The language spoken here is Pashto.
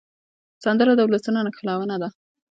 سندره د ولسونو نښلونه ده